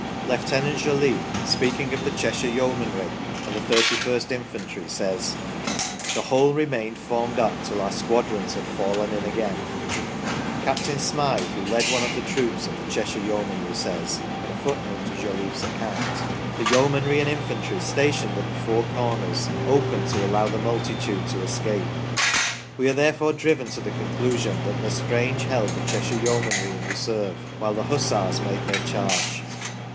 Lieutenant Jolliffe, speaking of the Cheshire Yeomanry and the 31st Infantry, says : "the whole remained formed up till our squadrons had fallen in again ". Captain Smyth, who led one of the troops of the Cheshire Yeomanry, says (in a footnote to Jolliffe's account) :" The Yeomanry and Infantry stationed at the four corners opened to allow the multitude to escape". We are therefore driven to the conclusion that 1' Estrange held the Cheshire Yeomanry in reserve while the Hussars made their charge.